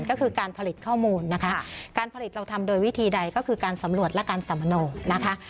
ก็คือการผลิตข้อมูลนะคะการผลิตเราทำโดยวิธีใดก็คือการสำรวจและการสัมมโนนะคะ